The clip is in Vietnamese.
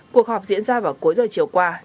cuộc họp diễn ra vào cuối giờ chiều qua